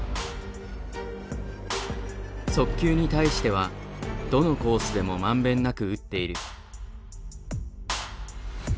速球に対してはどのコースでも満遍なく打っている。